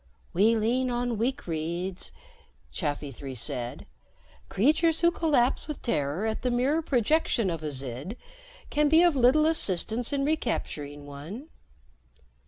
"We lean on weak reeds," Chafi Three said. "Creatures who collapse with terror at the mere projection of a Zid can be of little assistance in recapturing one."